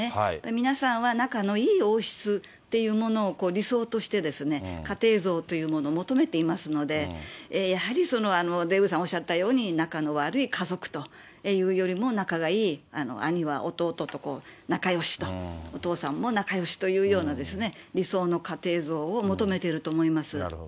皆さんは仲のいい王室っていうものを理想としてですね、家庭像というものを求めていますので、やはりデーブさん、おっしゃったように、仲の悪い家族というよりも、仲がいい、兄は弟と仲よしと、お父さんも仲よしというような理想の家庭像を求めてると思います。